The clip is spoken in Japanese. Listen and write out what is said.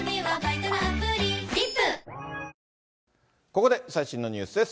ここで最新のニュースです。